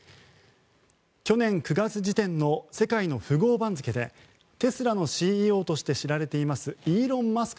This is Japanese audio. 去年９月時点の世界の富豪番付でテスラのＣＥＯとして知られていますイーロン・マスク